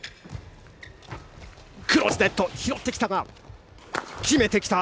クロス、拾ってきたが決めてきた。